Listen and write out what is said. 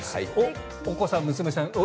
お子さん、娘さん